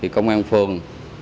công an phường